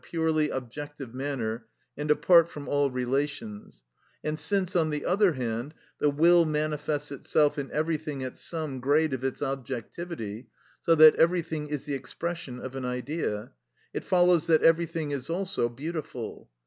purely objective manner and apart from all relations; and since, on the other hand, the will manifests itself in everything at some grade of its objectivity, so that everything is the expression of an Idea; it follows that everything is also beautiful.